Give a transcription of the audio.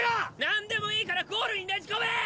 なんでもいいからゴールにねじ込め！